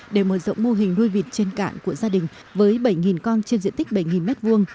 để mở rộng mô hình nuôi vịt trên cạn của gia đình với bảy con trên diện tích bảy m hai